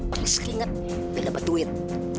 peris ringet gak dapat duit